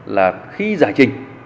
là khi giải trình